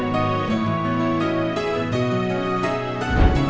jangan debutan ya